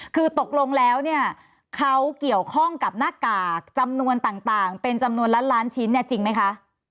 คือตกลงแล้วเนี่ยเขาเกี่ยวข้องกับหน้ากากจำนวนต่างเป็นจำนวนล้านล้านชิ้นเนี่ยจริงไหมคะ